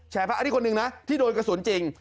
พระอันนี้คนหนึ่งนะที่โดนกระสุนจริง